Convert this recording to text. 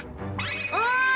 おい！